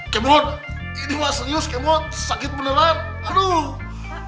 kemot ini mah serius kemot sakit beneran aduh